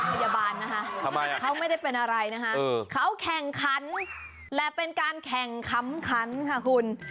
พยาบาลนะคะเขาไม่ได้เป็นอะไรนะคะเขาแข่งขันและเป็นการแข่งขำขันค่ะคุณ